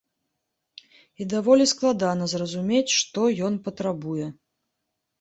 І даволі складана зразумець, што ён патрабуе.